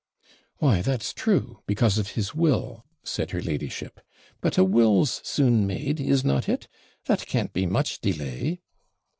'Why, that's true, because of his will,' said her ladyship; 'but a will's soon made, is not it? That can't be much delay.'